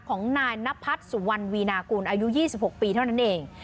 ของนายนพัฒน์สุวรรณวีนากูลอายุ๒๖ปีเท่านั้นเอง